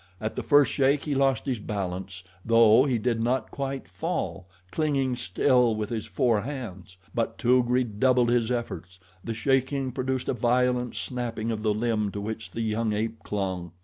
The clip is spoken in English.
At the first shake he lost his balance, though he did not quite fall, clinging still with his four hands; but Toog redoubled his efforts; the shaking produced a violent snapping of the limb to which the young ape clung.